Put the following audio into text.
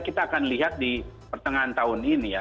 kita akan lihat di pertengahan tahun ini ya